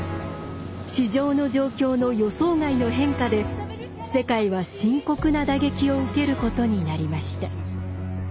市場の状況の予想外の変化で世界は深刻な打撃を受けることになりました。